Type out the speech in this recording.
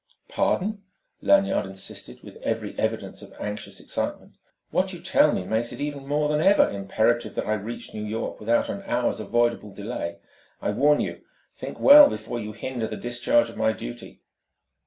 "Pardon!" Lanyard insisted with every evidence of anxious excitement. "What you tell me makes it more than ever imperative that I reach New York without an hour's avoidable delay. I warn you, think well before you hinder the discharge of my duty."